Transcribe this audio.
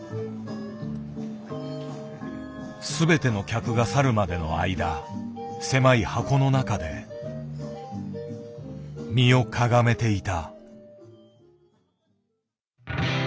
全ての客が去るまでの間狭い箱の中で身をかがめていた。